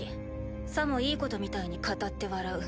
さもいいことみたいに語って笑う。